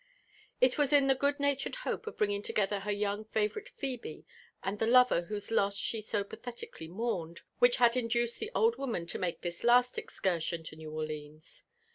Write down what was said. It was in the good natured hope of bringing together her young fa vourite Phebe and the lover whose loss she so pathetically mourned, which had induced the old woman to make this last excursion to New Orleans.